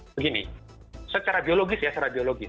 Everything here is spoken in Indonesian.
begini secara biologis ya secara biologis